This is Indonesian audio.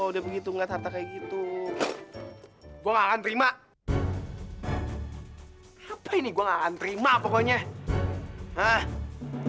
udah begitu enggak tata kayak gitu gua akan terima apa ini gua nganterima pokoknya ah